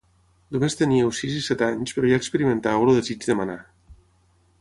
Només teníeu sis i set anys però ja experimentàveu el desig de manar.